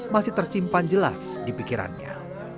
masih tersimpan jelas di pikirannya